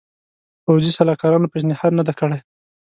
پوځي سلاکارانو پېشنهاد نه دی کړی.